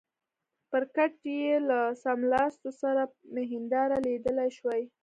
په کټ کې له څملاستو سره مې هنداره لیدلای شوای.